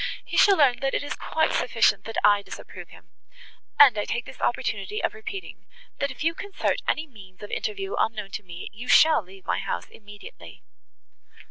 He shall learn, that it is quite sufficient, that I disapprove him. And I take this opportunity of repeating,—that if you concert any means of interview unknown to me, you shall leave my house immediately."